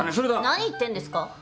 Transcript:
何言ってんですか？